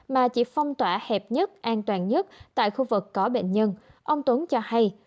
mà chỉ phong tỏa hẹp nhất an toàn nhất tại khu vực có bệnh nhân ông tuấn cho hay